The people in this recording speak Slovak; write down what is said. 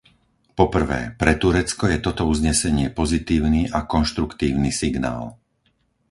Po prvé, pre Turecko je toto uznesenie pozitívny a konštruktívny signál.